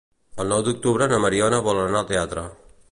El nou d'octubre na Mariona vol anar al teatre.